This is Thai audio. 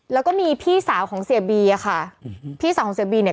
แล้วก็มีพี่สาวของเสียบีอ่ะค่ะอืมพี่สาวของเสียบีเนี่ย